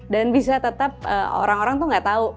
dan bisa tetap orang orang tuh nggak tahu